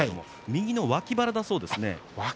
右の脇腹だそうです。